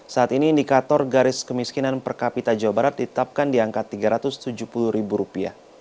saat ini indikator garis kemiskinan per kapita jawa barat ditetapkan di angka rp tiga ratus tujuh puluh